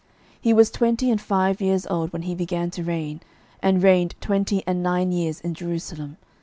12:014:002 He was twenty and five years old when he began to reign, and reigned twenty and nine years in Jerusalem.